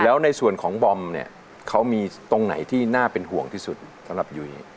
แล้วในส่วนของบอมเนี่ยเขามีตรงไหนที่น่าเป็นห่วงที่สุดสำหรับยุ้ย